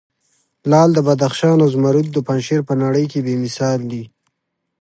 لعل د بدخشان او زمرود د پنجشیر په نړې کې بې مثال دي.